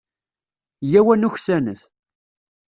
Yyaw ad nuksanet.